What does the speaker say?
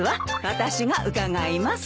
私が伺います。